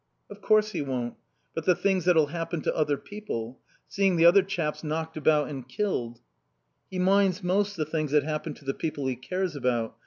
"Of course he won't. But the things that'll happen to other people. Seeing the other chaps knocked about and killed." "He minds most the things that happen to the people he cares about.